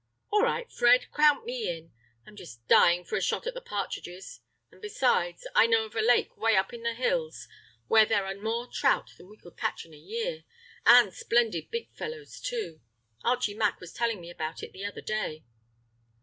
"All right, Fred. Count me in. I'm just dying for a shot at the partridges; and, besides, I know of a lake 'way up in the hills where there are more trout than we could catch in a year, and splendid big fellows, too! Archie Mack was telling me about it the other day."